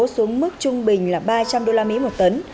xuống mức trung bình là ba trăm linh usd một tấn